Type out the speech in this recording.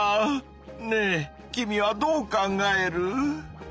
ねえ君はどう考える？